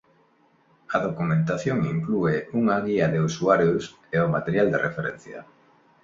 A documentación inclúe unha guía de usuarios e o material de referencia.